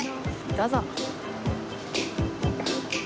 どうぞ。